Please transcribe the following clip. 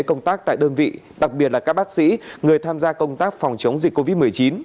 công tác tại đơn vị đặc biệt là các bác sĩ người tham gia công tác phòng chống dịch covid một mươi chín